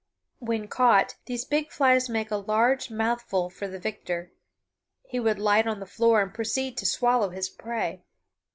When caught, these big flies made a large mouthful for the victor. He would light on the floor and proceed to swallow his prey.